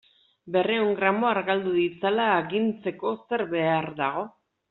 Berrehun gramo argaldu ditzala agintzeko zer behar dago?